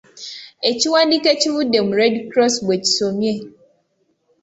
Ekiwandiiko ekivudde mu Red Cross bwe kisomye.